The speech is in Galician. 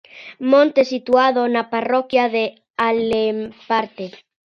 Monte situado na parroquia de Alemparte.